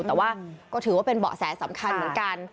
แต่ว่าก็ถือว่าเป็นเบาะแสสำคัญเหมือนกัน